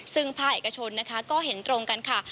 ซึ่งภาคเอกชนนะคะก็เห็นตรงกันค่ะ